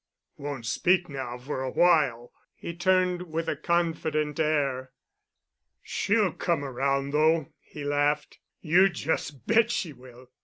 Won't speak now for a while." He turned with a confident air. "She'll come around, though," he laughed. "You just bet she will."